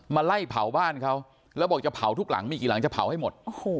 มาไล่เผาบ้านเขาแล้วบอกจะเผาทุกหลังมีกี่หลังจะเผาให้หมด